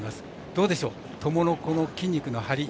どうでしょう、トモの筋肉のハリ。